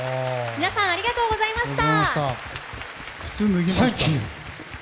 宮本さんありがとうございました。